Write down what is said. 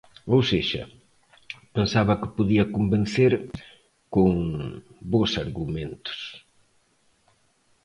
Ou sexa, pensaba que podía convencer con "bos argumentos".